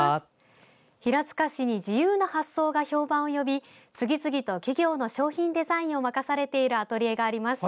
平塚市に自由な発想が評判を呼び次々と企業の商品デザインを任されているアトリエがあります。